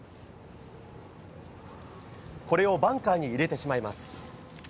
これをバンカーに入れてしまいます。